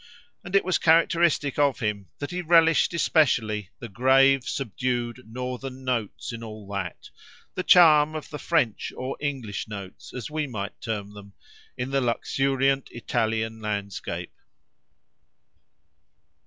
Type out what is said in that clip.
And it was characteristic of him that he relished especially the grave, subdued, northern notes in all that—the charm of the French or English notes, as we might term them—in the luxuriant Italian landscape.